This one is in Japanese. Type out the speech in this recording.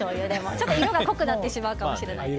ちょっと色が濃くなってしまうかもしれませんが。